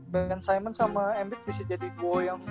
ben simon sama embiid bisa jadi duo yang